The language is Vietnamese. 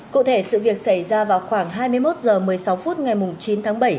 cụ thể sự việc xảy ra vào khoảng hai mươi một h một mươi sáu phút ngày chín tháng bảy